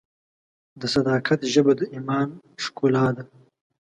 د صداقت ژبه د ایمان ښکلا ده.